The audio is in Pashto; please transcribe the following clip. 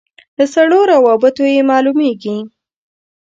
له سړو رابطو یې معلومېږي.